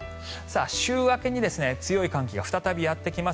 週明けに強い寒気が再びやってきます。